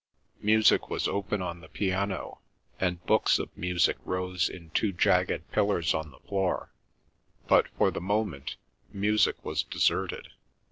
Music was open on the piano, and books of music rose in two jagged pillars on the floor; but for the moment music was deserted.